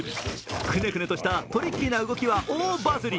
くねくねとしたトリッキーな動きは、大バズり。